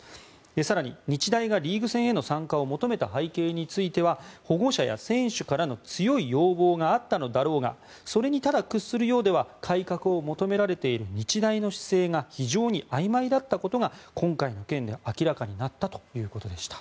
更に、日大がリーグ戦への参加を求めた背景については保護者や選手からの強い要望があったのだろうがそれにただ屈するようでは改革を求められている日大の姿勢が非常にあいまいだったことが今回の件で明らかになったということでした。